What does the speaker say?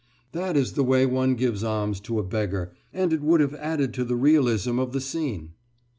That is the way one gives alms to a beggar, and it would have added to the realism of the scene."